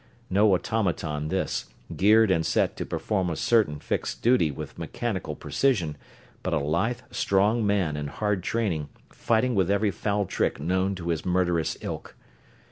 No automaton this, geared and set to perform certain fixed duties with mechanical precision, but a lithe, strong man in hard training, fighting with every foul trick known to his murderous ilk.